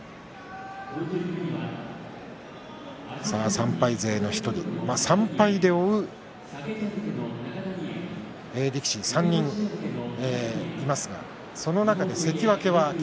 ３敗勢の１人３敗で追う力士３人いますがその中で関脇は霧